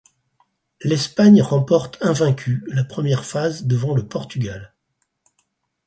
L'Espagne remporte invaincue la première phase devant le Portugal.